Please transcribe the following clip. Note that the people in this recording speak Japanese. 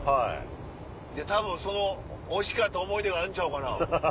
多分そのおいしかった思い出があるんちゃうかな。